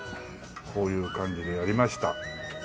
こういう感じでやりました。